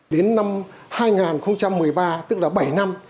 đến năm hai nghìn một mươi ba tức là bảy năm